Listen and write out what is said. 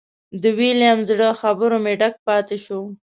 د ویلیم زړه خبرو مې ډک پاتې شو.